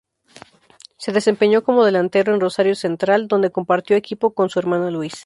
Se desempeñó como delantero en Rosario Central, dónde compartió equipo con su hermano Luis.